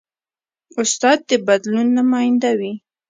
استاد د بدلون نماینده وي.